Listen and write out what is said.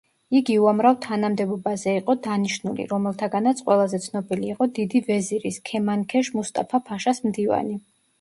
იგი უამრავ თანამდებობაზე იყო დანიშნული, რომელთაგანაც ყველაზე ცნობილი იყო დიდი ვეზირის, ქემანქეშ მუსტაფა-ფაშას მდივანი.